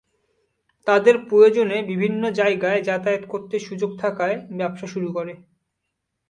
তাদের প্রয়োজনে বিভিন্ন জায়গায় যাতায়াত করতে সুযোগ থাকায় ব্যবসা শুরু করে।